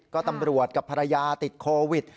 ก็ตำรวจกับภรรยาติดโควิด